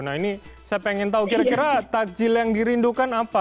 nah ini saya ingin tahu kira kira takjil yang dirindukan apa